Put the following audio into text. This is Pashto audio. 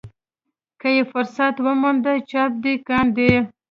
که یې فرصت وموند چاپ دې کاندي.